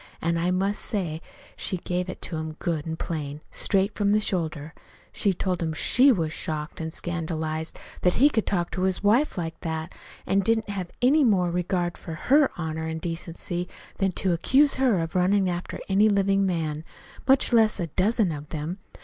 An' I must say she give it to him good an' plain, straight from the shoulder. She told him she was shocked an' scandalized that he could talk to his wife like that; an' didn't he have any more regard for her honor and decency than to accuse her of runnin' after any man living much less a dozen of them!